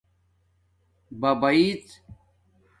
بباݶڎ